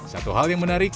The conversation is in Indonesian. satu hal yang menarik